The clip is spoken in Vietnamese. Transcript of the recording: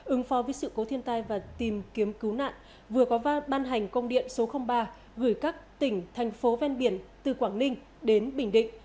ứng phó với sự cố thiên tai và tìm kiếm cứu nạn vừa có ban hành công điện số ba gửi các tỉnh thành phố ven biển từ quảng ninh đến bình định